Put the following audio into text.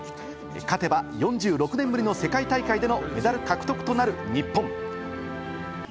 勝てば４６年ぶりの世界大会でのメダル獲得となる日本。